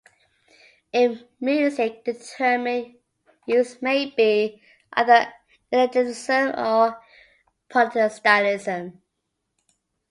In music the term used may be either eclecticism or polystylism.